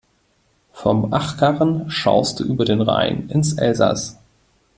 Vom Achkarren schaust du über den Rhein ins Elsaß.